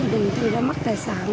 dự định tôi đã mất tài sản